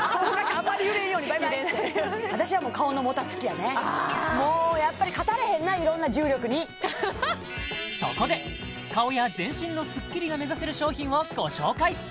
あんまり揺れんようにバイバイって私はもうやっぱり勝たれへんな色んな重力にそこで顔や全身のスッキリが目指せる商品をご紹介